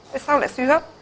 thế sao lại suy hấp